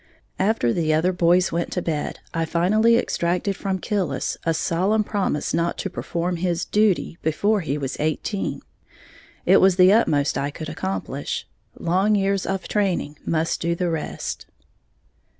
After the other boys went to bed, I finally extracted from Killis a solemn promise not to perform this "duty" before he was eighteen. It was the utmost I could accomplish, long years of training must do the rest.